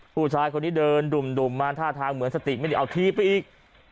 ผู้ชายคนนี้เดินดุ่มมาท่าทางเหมือนสติไม่ได้เอาทีไปอีก